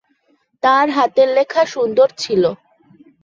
তার হাতের লেখা সুন্দর ছিল।